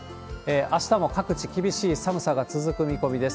あしたも各地、厳しい寒さが続く見込みです。